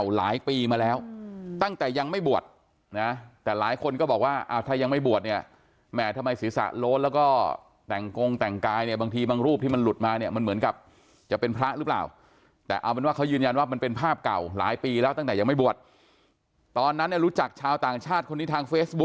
หลายปีมาแล้วตั้งแต่ยังไม่บวชนะแต่หลายคนก็บอกว่าอ้าวถ้ายังไม่บวชเนี่ยแหมทำไมศีรษะโล้นแล้วก็แต่งกงแต่งกายเนี่ยบางทีบางรูปที่มันหลุดมาเนี่ยมันเหมือนกับจะเป็นพระหรือเปล่าแต่เอาเป็นว่าเขายืนยันว่ามันเป็นภาพเก่าหลายปีแล้วตั้งแต่ยังไม่บวชตอนนั้นเนี่ยรู้จักชาวต่างชาติคนนี้ทางเฟซบุ๊